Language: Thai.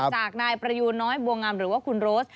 จากนายประยูนน้อยบัวงามหรือว่าคุณโรส